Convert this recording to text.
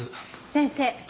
先生。